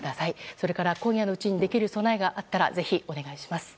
それから今夜のうちにできる備えがあったらぜひお願いします。